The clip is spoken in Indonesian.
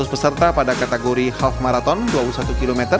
lima ratus peserta pada kategori half marathon dua puluh satu km